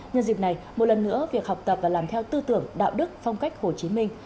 nhân dịp này một lần nữa việc học tập và làm theo tư tưởng đạo đức phong cách hồ chí minh